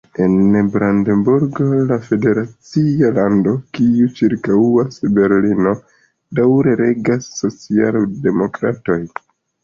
En Brandenburg, la federacia lando, kiu ĉirkaŭas Berlinon, daŭre regas socialdemokratoj.